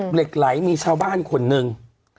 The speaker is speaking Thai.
เหล็กไหลมีชาวบ้านคนหนึ่ง